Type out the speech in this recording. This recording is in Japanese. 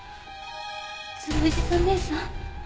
鶴藤さん姉さん？